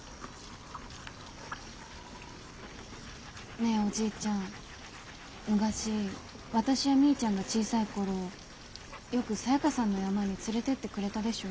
ねえおじいちゃん昔私やみーちゃんが小さい頃よくサヤカさんの山に連れてってくれたでしょ？